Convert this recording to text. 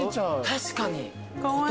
確かに。